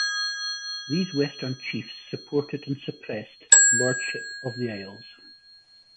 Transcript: These western chiefs supported the suppressed Lordship of the Isles.